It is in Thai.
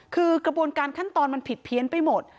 คือกระบวนการขั้นตอนมันผิดเพี้ยนไปหมด